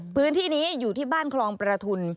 พื้นที่นี้อยู่ที่บ้านคลองประทุน